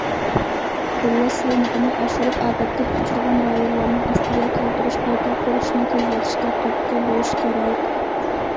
قوللاش سالمىقىنى ئاشۇرۇپ، ئاپەتكە ئۇچرىغان رايونلارنىڭ ئەسلىگە كەلتۈرۈش، قايتا قۇرۇشنى تېزلىتىشىگە تۈرتكە بولۇش كېرەك.